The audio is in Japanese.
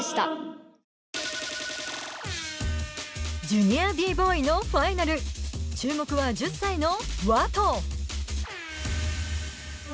ジュニアＢ−Ｂｏｙのファイナル注目は１０歳のＷＡＴＯ。